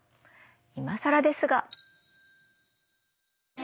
いまさらですが。